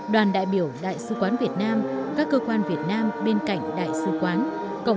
đoàn đại biểu đại sứ quán việt nam các cơ quan việt nam bên cạnh đại sứ quán